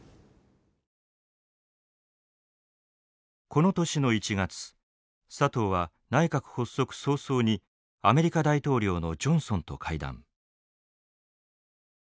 この年の１月佐藤は内閣発足早々にアメリカ大統領のジョンソンと会談。